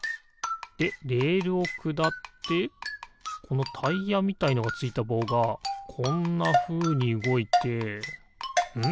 でレールをくだってこのタイヤみたいのがついたぼうがこんなふうにうごいてん？